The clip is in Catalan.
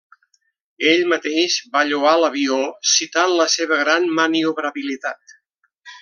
Ell mateix va lloar l'avió, citant la seva gran maniobrabilitat.